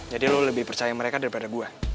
jadi lu lebih percaya mereka daripada gue